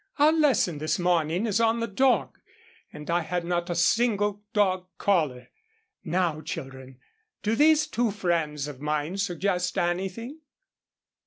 "Our lesson this morning is on the dog, and I had not a single dog caller. Now, children, do these two friends of mine suggest anything?"